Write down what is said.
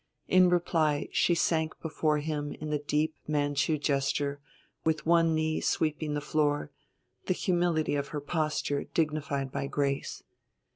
In reply she sank before him in the deep Manchu gesture with one knee sweeping the floor, the humility of her posture dignified by grace.